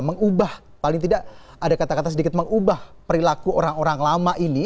mengubah paling tidak ada kata kata sedikit mengubah perilaku orang orang lama ini